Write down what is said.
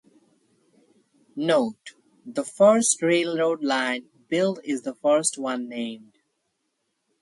Note: The first railroad line built is the first one named.